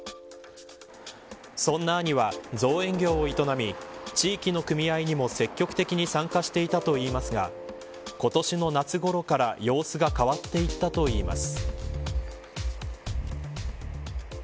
そんな兄は、造園業を営み地域の組合にも積極的に参加していたといいますが今年の夏ごろから様子が変わっていったといいます。